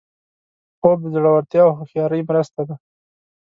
خوب د زړورتیا او هوښیارۍ مرسته ده